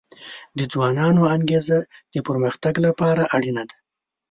د ځوانانو انګیزه د پرمختګ لپاره اړینه ده.